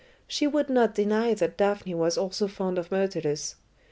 She would not deny that Daphne was also fond of Myrtilus.